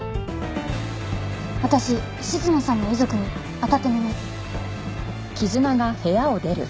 私静野さんの遺族にあたってみます！